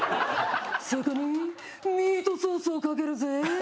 そこにミートソースをかけるぜ。